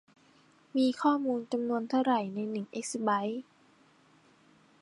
มีข้อมูลจำนวนเท่าไรในหนึ่งเอกซะไบท์